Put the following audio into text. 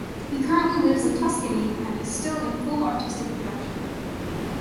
He currently lives in Tuscany and is still in full artistic production.